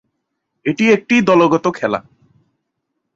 এটি একটি দলগত খেলা।